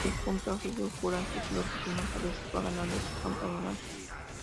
Es junto a Jesús Puras el piloto que más veces ha ganado este campeonato.